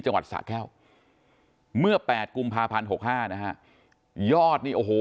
จังหวัดสระแค่วเมื่อ๘กุมภาพันธ์๖๕นะฮะยอดนี้โอ้โห